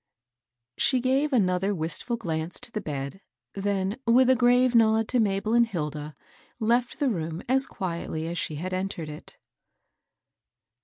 She gave another wistfiil glance to the bed, then, with a grave nod to Mabel and Hilda, left the room as quietly as she had entered it.